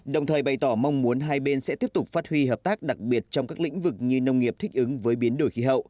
đồng thời bày tỏ mong muốn hai bên sẽ tiếp tục phát huy hợp tác đặc biệt trong các lĩnh vực như nông nghiệp thích ứng với biến đổi khí hậu